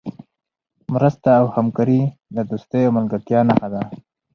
مرسته او همکاري د دوستۍ او ملګرتیا نښه ده.